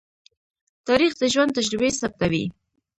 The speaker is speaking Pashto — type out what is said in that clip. تاریخ د ژوند تجربې ثبتوي.